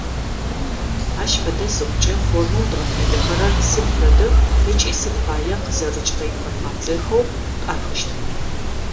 Ащ фэдэ зыхъукӏэ формэу дгъэфедэхэрэр сыд фэдэх ыкӏи сыд пая къызэрыкӏырэ информациехэу пӏахыщтхэр.